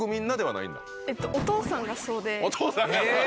お父さんがそう！